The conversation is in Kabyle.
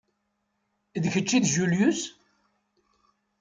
D kečč i d Julius?